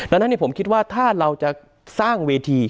ดังนั้นผมคิดว่าถ้าเราจะสร้างเวที